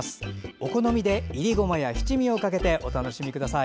お好みでいりごまや七味をかけてお楽しみください。